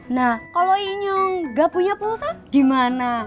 nah kalau ini yang gak punya pulsa gimana